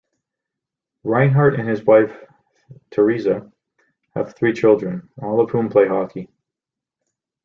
Reinhart and his wife Theresa have three children, all of whom play hockey.